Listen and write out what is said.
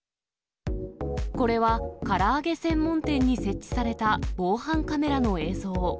これはから揚げ専門店に設置された防犯カメラの映像。